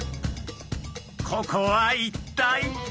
ここは一体？